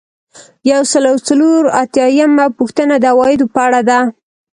یو سل او څلور اتیایمه پوښتنه د عوایدو په اړه ده.